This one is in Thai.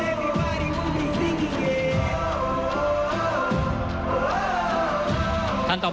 ท่านแรกครับจันทรุ่ม